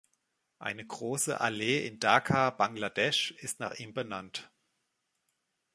Eine große Allee in Dhaka, Bangladesh, ist nach ihm benannt.